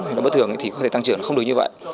hay bất thường thì có thể tăng trưởng không được như vậy